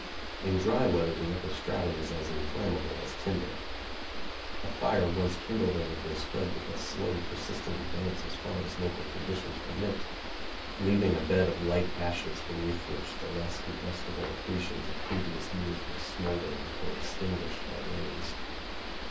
In dry weather the upper stratum is as inflammable as tinder. A fire once kindled in it will spread with a slow, persistent advance as far as local conditions permit, leaving a bed of light ashes beneath which the less combustible accretions of previous years will smolder until extinguished by rains.